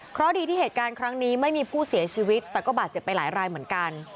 เพราะดีที่เหตุการณ์ครั้งนี้ไม่มีผู้เสียชีวิตแต่ก็บาดเจ็บไปหลายรายเหมือนกัน